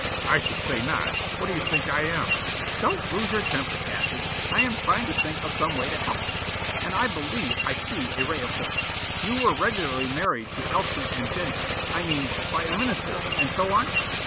"I should say not! What do you think I am?" "Don't lose your temper, Cassius. I am trying to think of some way to help you, and I believe I see a ray of hope. You were regularly married to Elsie and Jennie, I mean, by a minister, and so on?"